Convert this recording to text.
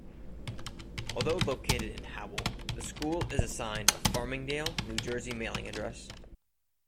Although located in Howell, the school is assigned a Farmingdale, New Jersey mailing address.